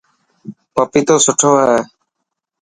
پپيتو سٺو هي.